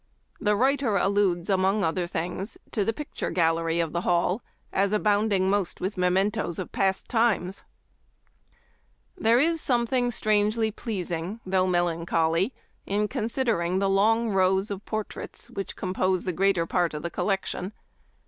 The writer alludes, among other things, to the picture gal lery of the Hall as abounding most with me mentoes of past times :" There is something strangely pleasing, though melancholy, in considering the long rows of portraits which compose the greater part of the collection.